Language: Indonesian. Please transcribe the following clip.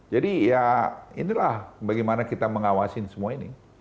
jadi ya inilah bagaimana kita mengawasi semua ini